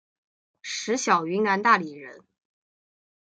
石晓云南大理人。